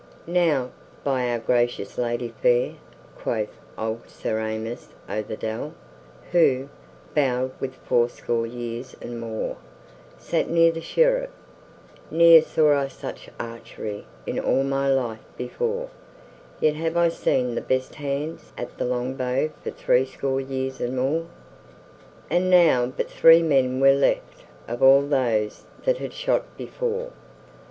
"Now by our gracious Lady fair," quoth old Sir Amyas o' the Dell, who, bowed with fourscore years and more, sat near the Sheriff, "ne'er saw I such archery in all my life before, yet have I seen the best hands at the longbow for threescore years and more." And now but three men were left of all those that had shot before.